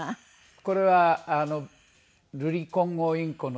これはルリコンゴウインコのＥＴです。